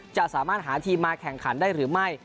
จะสามารถหาทีมมาแข่งขันได้หรือไม่